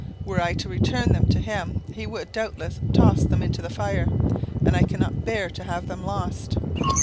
Were I to return them to him, he would doubtless toss them into the fire, and I cannot bear to have them lost.